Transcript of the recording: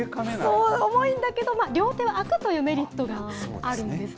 重いんだけれども、両手はあくというメリットがあるんです。